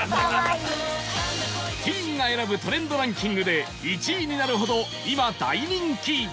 ティーンが選ぶトレンドランキングで１位になるほど今大人気